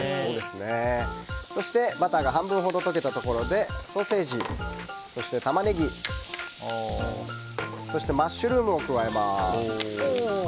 そしてバターが半分ほど溶けたところでソーセージ、そしてタマネギそしてマッシュルームを加えます。